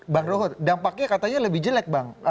bang rohut dampaknya katanya lebih jelek bang